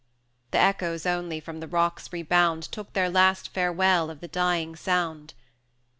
The echoes only, from the rock's rebound, Took their last farewell of the dying sound.